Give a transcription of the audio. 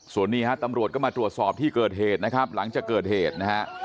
ส่วนนี้ฮะตำรวจก็มาตรวจสอบที่เกิดเหตุนะครับหลังจากเกิดเหตุนะฮะ